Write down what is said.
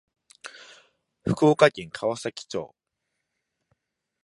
福岡県川崎町